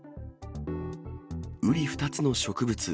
うり二つの植物。